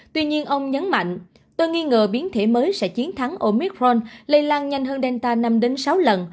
tuy nhiên ông nhấn mạnh tôi nghi ngờ biến thể mới sẽ chiến thắng omithron lây lan nhanh hơn delta năm sáu lần